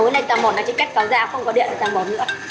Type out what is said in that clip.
tối này tầng một là chị kết tóc ra không có điện tầng một nữa